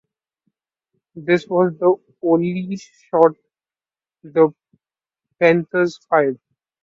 This was the only shot the Panthers fired.